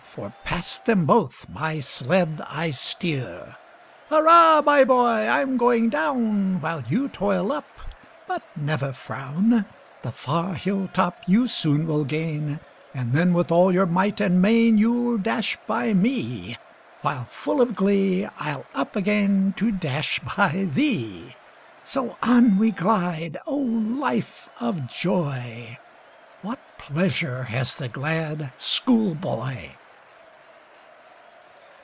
For past them both my sled I steer. Hurra! my boy! I'm going down, While you toil up; but never frown; The far hill top you soon will gain, And then, with all your might and main, You'll dash by me; while, full of glee, I'll up again to dash by thee! So on we glide O, life of joy; What pleasure has the glad school boy!